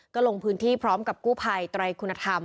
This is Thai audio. ก็ลงพื้นที่พร้อมกับกู้ภัยไตรคุณธรรม